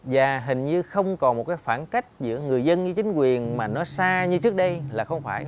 và hình như không còn một cái phản cách giữa người dân với chính quyền mà nó xa như trước đây là không phải